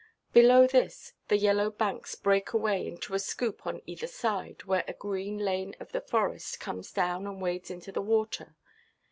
Below this, the yellow banks break away into a scoop on either side, where a green lane of the forest comes down and wades into the water.